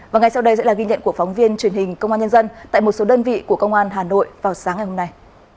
và ngay sau đây sẽ là ghi nhận của phóng viên truyền hình công an nhân dân tại một số đơn vị của công an hà nội vào sáng ngày hôm nay